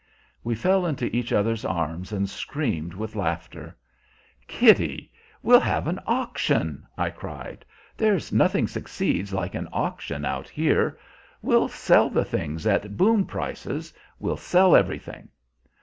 We fell into each other's arms and screamed with laughter. "Kitty, we'll have an auction," I cried. "There's nothing succeeds like an auction out here. We'll sell the things at boom prices we'll sell everything."